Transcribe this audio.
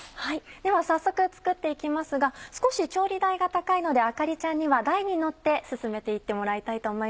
では早速作って行きますが少し調理台が高いのであかりちゃんには台に乗って進めて行ってもらいたいと思います。